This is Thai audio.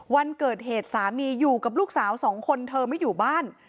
วันเกิดเหตุสามีอยู่กับลูกสาวสองคนเธอไม่อยู่บ้าน